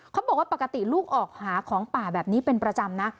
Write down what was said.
ปกติลูกออกหาของป่าแบบนี้เป็นประจำนะ